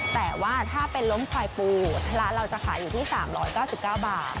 แต่ว่าถ้าเป็นล้มควายปูร้านเราจะขายอยู่ที่๓๙๙บาท